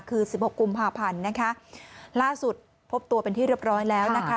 คือสิบหกกุมภาพันธ์นะคะล่าสุดพบตัวเป็นที่เรียบร้อยแล้วนะคะ